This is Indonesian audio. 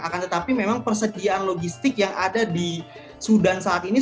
akan tetapi memang persediaan logistik yang ada di sudan saat ini